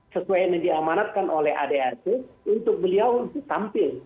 sesuai yang diamanatkan oleh adrt untuk beliau untuk tampil